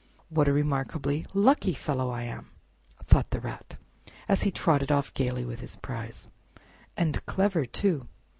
"What a remarkably lucky fellow I am!" thought the Rat, as he trotted off gayly with his prize, "and clever, too!